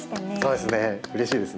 うれしいですね。